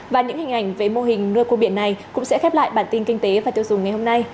và những hình ảnh về mô hình nuôi cua biển này cũng sẽ khép lại bản tin kinh tế và tiêu dùng ngày hôm nay